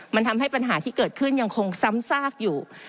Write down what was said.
มันทำให้ปัญหาที่เกิดขึ้นยังคงซ้ำซากอยู่